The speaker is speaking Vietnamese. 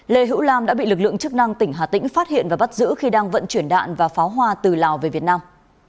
lê hữu lam đã bị lực lượng chức năng tỉnh hà tĩnh phát hiện và bắt giữ khi đang vận chuyển đạn và pháo hoa từ lào về việt nam